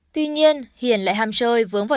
tuy nhiên hiền lại ham chơi vướng vào